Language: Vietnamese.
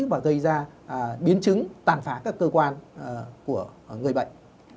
và gây ra biến chứng tàn phá các cơ quan của người bệnh